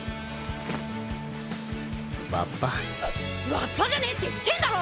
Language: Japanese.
わっぱじゃねえって言ってんだろ！